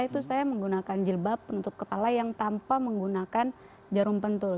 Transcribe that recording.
itu saya menggunakan jilbab penutup kepala yang tanpa menggunakan jarum pentul